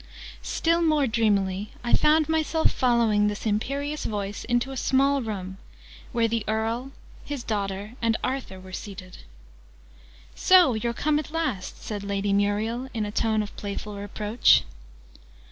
Still more dreamily I found myself following this imperious voice into a room where the Earl, his daughter, and Arthur, were seated. "So you're come at last!" said Lady Muriel, in a tone of playful reproach.